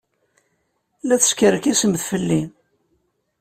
La teskerkisemt fell-i.